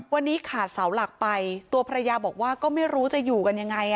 วันนี้ขาดเสาหลักไปตัวภรรยาบอกว่าก็ไม่รู้จะอยู่กันยังไง